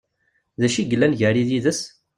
D acu yellan gar-i yid-s?